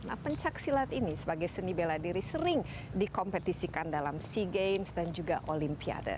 nah pencaksilat ini sebagai seni bela diri sering dikompetisikan dalam sea games dan juga olimpiade